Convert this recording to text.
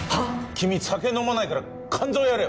君酒飲まないから肝臓やれよ。